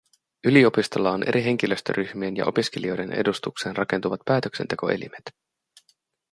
Yliopistolla on eri henkilöstöryhmien ja opiskelijoiden edustukseen rakentuvat päätöksentekoelimet.